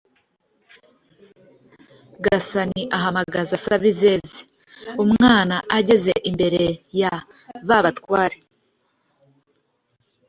Gasani ahamagaza Sabizeze. Umwana ageze imbere ya ba batware,